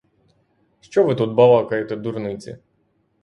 Що ви тут балакаєте дурниці!